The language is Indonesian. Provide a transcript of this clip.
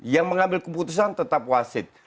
yang mengambil keputusan tetap wasit